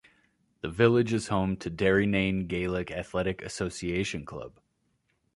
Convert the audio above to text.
The village is home to Derrynane Gaelic Athletic Association club.